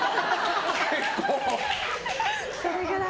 結構。